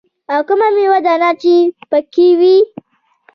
او کومه ميوه دانه چې پکښې وي.